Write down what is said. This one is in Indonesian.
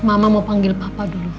mama mau panggil papa dulu